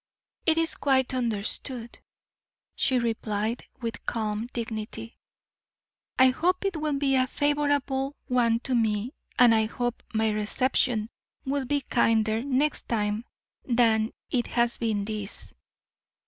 "It is quite understood," she replied, with calm dignity. "I hope it will be a favorable one to me, and I hope my reception will be kinder next time than it has been this."